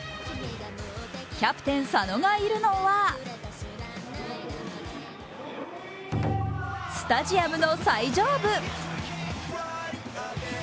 キャプテン・佐野がいるのはスタジアムの最上部。